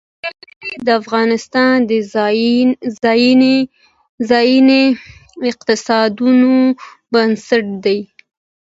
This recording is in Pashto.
کلي د افغانستان د ځایي اقتصادونو بنسټ دی.